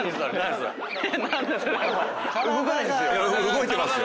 動いてますよ。